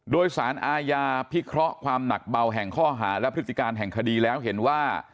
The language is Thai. โดยสารอาญาพิเคราะห์ความหนักเบาแห่งข้อหาและพฤติการแห่งคดีแล้วเห็นว่า